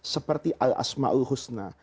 seperti al asma'ul husna